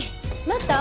待った？